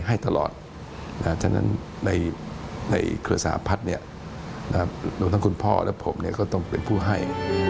หลวงท่านคุณพ่อและผมก็ต้องเป็นผู้ให้